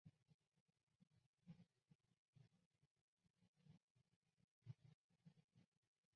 粗颈龟属是地龟科下的一个属。